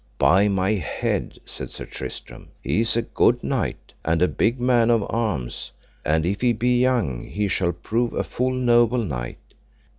By my head, said Sir Tristram, he is a good knight, and a big man of arms, and if he be young he shall prove a full noble knight.